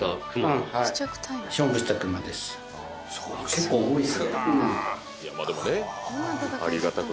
結構重いですね。